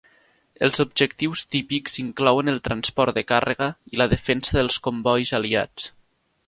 Els objectius típics inclouen el transport de càrrega i la defensa del combois aliats.